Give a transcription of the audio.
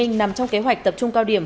nằm trong kế hoạch tập trung cao điểm